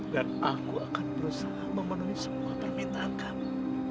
aku akan berusaha memenuhi semua permintaan kamu